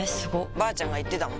ばあちゃんが言ってたもん